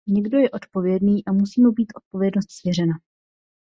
Někdo je odpovědný a musí mu být odpovědnost svěřena.